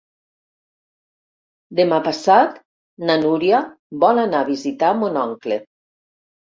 Demà passat na Núria vol anar a visitar mon oncle.